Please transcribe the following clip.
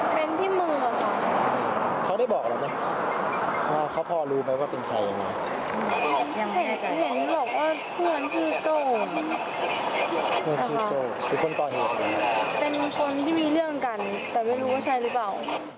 เป็นคนที่มีเรื่องกันแต่ไม่รู้ว่าใช่หรือเปล่า